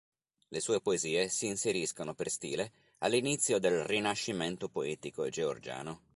Le sue poesie si inseriscono per stile all'inizio del rinascimento poetico georgiano.